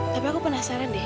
tapi aku penasaran deh